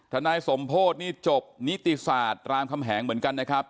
นายสมโพธินี่จบนิติศาสตร์รามคำแหงเหมือนกันนะครับ